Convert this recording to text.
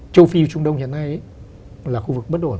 châu phi và trung đông hiện nay là khu vực bất ổn